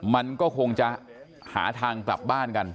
มันก็คงจะหาทางกลับบ้านกัน